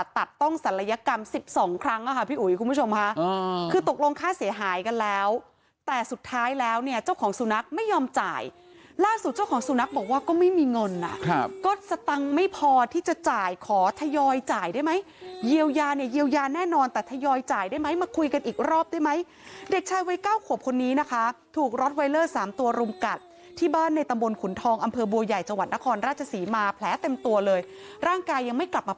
แต่สุดท้ายแล้วเนี่ยเจ้าของสุนัขไม่ยอมจ่ายล่าสุดเจ้าของสุนัขบอกว่าก็ไม่มีเงินนะครับก็สตังค์ไม่พอที่จะจ่ายขอทยอยจ่ายได้ไหมเยียวยาเนี่ยเยียวยาแน่นอนแต่ทยอยจ่ายได้ไหมมาคุยกันอีกรอบได้ไหมเด็กชายวัย๙ขวบคนนี้นะคะถูกรอสไวเลอร์๓ตัวรุมกัดที่บ้านในตำบลขุนทองอำเภอบัวใหญ่จังหว